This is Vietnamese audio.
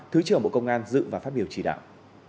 thứ trưởng bộ công an dự và phát biểu chỉ đạo